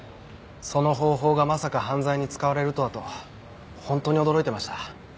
その方法がまさか犯罪に使われるとはと本当に驚いてました。